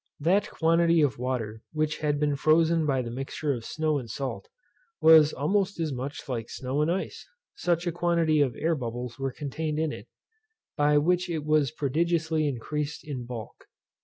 That quantity of water which had been frozen by the mixture of snow and salt, was almost as much like snow as ice, such a quantity of air bubbles were contained in it, by which it was prodigiously increased in bulk.